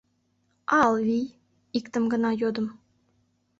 — А Алвий? — иктым гына йодым.